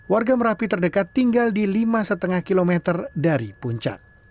warga merapi terdekat tinggal di lima lima km dari puncak